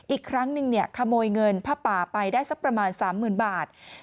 อีกครั้งหนึ่งขโมยเงินผ้าป่าไปได้สักประมาณ๓๐๐๐บาท